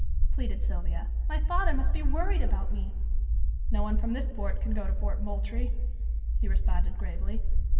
pleaded Sylvia. "My father must be worried about me." "No one from this fort can go to Fort Moultrie," he responded gravely.